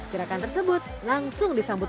gerakan tersebut langsung disambut